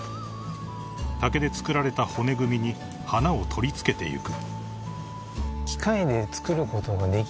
［竹で作られた骨組みに花を取り付けていく］